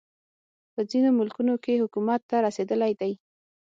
په ځینو ملکونو کې حکومت ته رسېدلی دی.